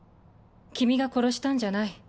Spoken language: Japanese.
君が殺したんじゃない。